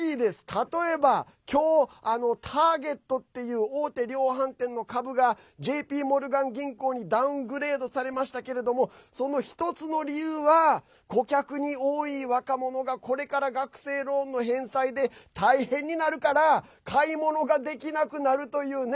例えば今日、ターゲットという大手量販店の株がＪＰモルガン銀行にダウングレードされましたけどその１つの理由は顧客に多い若者がこれから学生ローンの返済で大変になるから買い物ができなくなるという。